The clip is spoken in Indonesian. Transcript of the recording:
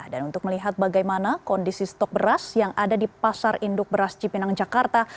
dan untuk melihat bagaimana kondisi stok beras yang ada di pasar induk beras cipinang jakarta